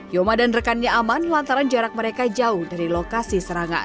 yoma dan rekannya aman lantaran jarak mereka jauh dari lokasi serangan